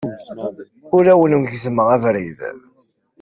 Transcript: Ur awen-gezzmeɣ abrid.